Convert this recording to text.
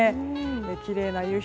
きれいな夕日。